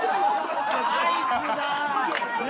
ナイスだ。